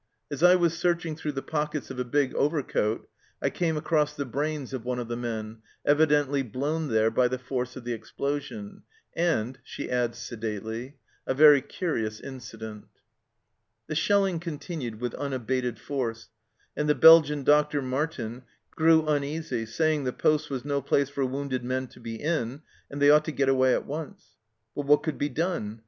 As I was searching through the pockets of a big overcoat, I came across the brains of one of the men, evidently blown there by the force of the explosion " and she adds sedately, " a very curious incident." The shelling continued with unabated force, and the Belgian doctor, Martin, grew uneasy, saying the poste was no place for wounded men to be in, and they ought to get away at once. But what could be done ?